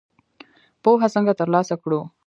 پوهه څنګه تر لاسه کړو؟